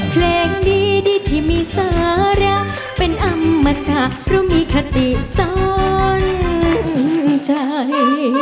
แปลงดีดีที่มีเสาระเป็นอมทะเพราะมีคติสนใจ